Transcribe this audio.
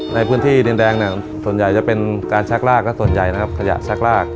ในพื้นที่แดงส่วนใหญ่จะเป็นการชักรากและส่วนใหญ่ขยะชักราก